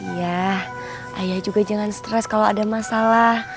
ya ayah juga jangan stres kalau ada masalah